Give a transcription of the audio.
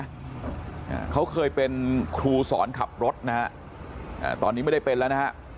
อ่าเขาเคยเป็นครูสอนขับรถนะฮะอ่าตอนนี้ไม่ได้เป็นแล้วนะฮะ